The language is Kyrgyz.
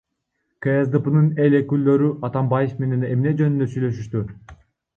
КСДПнын эл өкүлдөрү Атамбаев менен эмне жөнүндө сүйлөшүштү?